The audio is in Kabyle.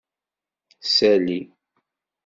Sali.